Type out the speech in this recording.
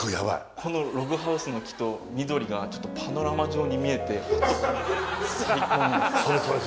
このログハウスの木と緑がパノラマ状に見えて最高なんです